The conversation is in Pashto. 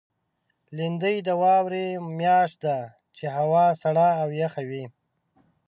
لېندۍ د واورې میاشت ده، چې هوا سړه او یخه وي.